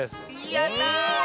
やった！